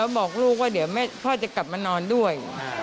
บอกลูกว่าเดี๋ยวพ่อจะกลับมานอนด้วย